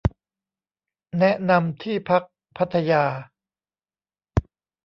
แนะนำที่พักพัทยา